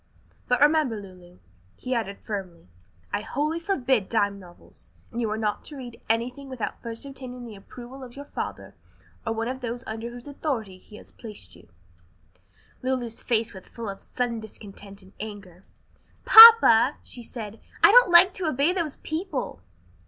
But remember, Lulu," he added firmly, "I wholly forbid dime novels, and you are not to read anything without first obtaining the approval of your father or one of those under whose authority he has placed you." Lulu's face was full of sullen discontent and anger. "Papa," she said, "I don't like to obey those people."